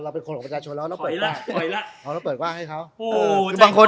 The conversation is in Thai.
เราเป็นคนของประชาชนแล้วเราต้องเปิดกว้างให้เขา